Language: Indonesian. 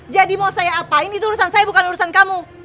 jadi mau saya apain itu urusan saya bukan urusan kamu